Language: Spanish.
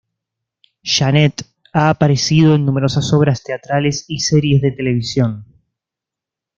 Janet ha aparecido en numerosas obras teatrales y series de televisión.